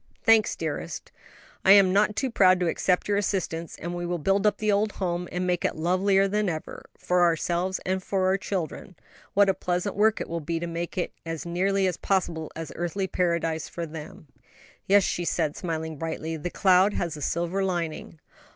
"Thanks, dearest; I am not too proud to accept your assistance, and we will build up the old home and make it lovelier than ever, for ourselves and for our children; what a pleasant work it will be to make it as nearly as possible an earthly paradise for them." "Yes," she said, smiling brightly; "the cloud has a silver lining."